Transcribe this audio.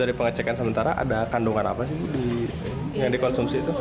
dari pengecekan sementara ada kandungan apa sih yang dikonsumsi itu